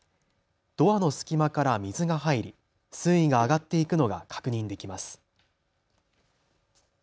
ドアの隙間から水が入り、水位が上がっていくのが確認できます。